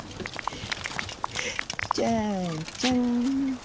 ちゃーちゃん。